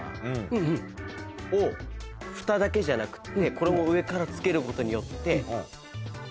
フタだけじゃなくってこれを上からつけることによって。